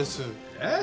えっ？